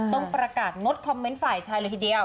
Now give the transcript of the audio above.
ต้องประกาศงดคอมเมนต์ฝ่ายชายเลยทีเดียว